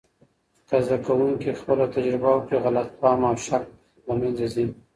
که زده کوونکي خپله تجربه وکړي، غلط فهم او شک د منځه ځي.